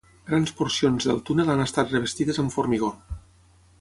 Grans porcions del túnel han estat revestides amb formigó.